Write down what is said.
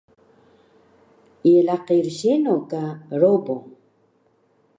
Ye laqi rseno ka Robo?